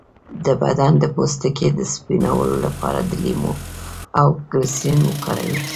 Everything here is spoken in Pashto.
د بدن د پوستکي د سپینولو لپاره د لیمو او ګلسرین وکاروئ